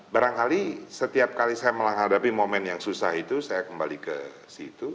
barangkali setiap kali saya menghadapi momen yang susah itu saya kembali ke situ